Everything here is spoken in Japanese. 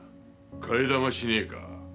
替え玉しねえか？